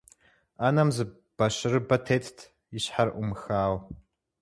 Ӏэнэм зы бащырыбэ тетт, и щхьэр Ӏумыхауэ.